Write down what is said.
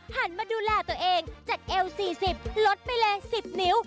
หันมาดูแลตัวเองจัดเอว๔๐ลดไปเลย๑๐นิ้ว